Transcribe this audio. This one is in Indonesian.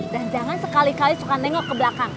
dan jangan sekali kali suka nengok ke belakang